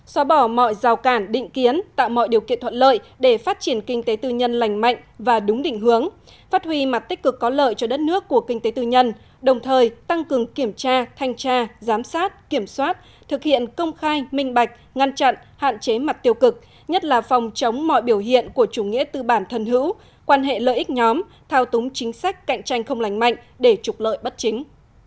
kinh tế tư nhân là một nguồn lực quan trọng để phát triển kinh tế tư nhân lạnh mạnh và đúng định hướng phát huy mặt tích cực có lợi cho đất nước của kinh tế tư nhân đồng thời tăng cường kiểm tra thanh tra giám sát kiểm soát thực hiện công khai minh bạch ngăn chặn hạn chế mặt tiêu cực nhất là phòng chống mọi biểu hiện của chủ nghĩa tư bản thân hữu quan hệ lợi ích nhóm thao túng chính sách cạnh tranh không lạnh mạnh để trục lợi bất chính